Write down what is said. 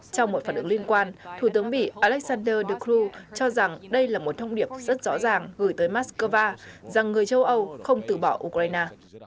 trong một phản ứng liên quan thủ tướng mỹ alexander decru cho rằng đây là một thông điệp rất rõ ràng gửi tới moscow rằng người châu âu không từ bỏ ukraine